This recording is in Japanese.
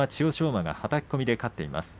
馬がはたき込みで勝っています。